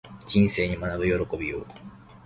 人生に学ぶ喜びを